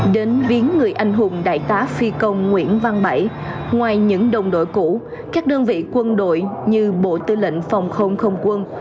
đến viếng người anh hùng đại tá phi công nguyễn văn bảy ngoài những đồng đội cũ các đơn vị quân đội như bộ tư lệnh phòng không không quân